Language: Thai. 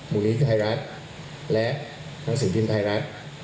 มูลนิธิไทยรัฐและหนังสือพิมพ์ไทยรัฐ